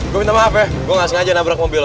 gue minta maaf ya gue gak sengaja nabrak mobil